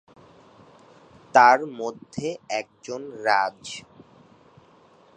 তার মধ্যে একজন রাজ।